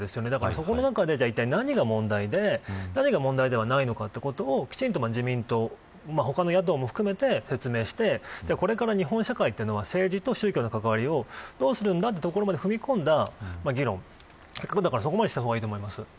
その中で、何が問題で何が問題ではないのかをきちんと自民党、他の野党も含めて説明して、これから日本社会は政治と宗教の関わりをどうするんだ、というところまで踏み込んだ議論逆に、そこまでした方がいいと思います。